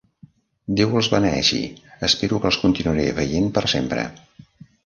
Déu els beneeixi, espero que els continuaré veient per sempre.